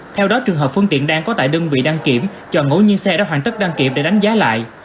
theo đó trường hợp phương tiện đang có tại đơn vị đăng kiểm cho ngẫu nhiên xe đã hoàn tất đăng kiểm để đánh giá lại